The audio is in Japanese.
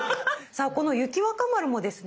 さあこの雪若丸もですね